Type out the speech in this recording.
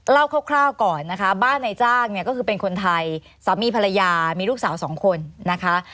คร่าวก่อนนะคะบ้านในจ้างเนี่ยก็คือเป็นคนไทยสามีภรรยามีลูกสาวสองคนนะคะ